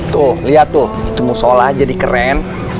tuh liat tuh itu musola jadi keren